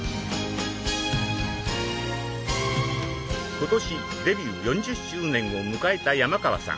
今年デビュー４０周年を迎えた山川さん。